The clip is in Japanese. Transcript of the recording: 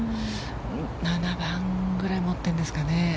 ７番ぐらいを持ってるんですかね。